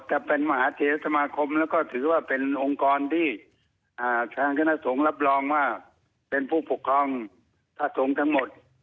ถ้าเป็นมหาเทศสมาคมแล้วก็ถือว่าเป็นองค์กรที่ทางคณะสงฆ์รับรองว่าเป็นผู้ปกครองพระสงฆ์ทั้งหมด